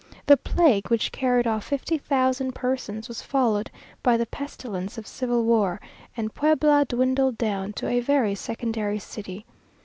The plague, which carried off fifty thousand persons, was followed by the pestilence of civil war, and Puebla dwindled down to a very secondary city.